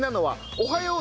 「おはよう」